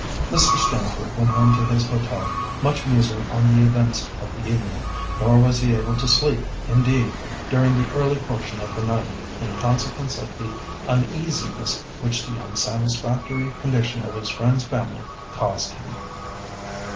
Mr. Stamford went home to his hotel, much musing on the events of the evening, nor was he able to sleep, indeed, during the early portion of the night, in consequence of the uneasiness which the unsatisfactory condition of his friend's family caused him.